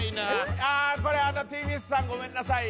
ああこれＴＢＳさんごめんなさい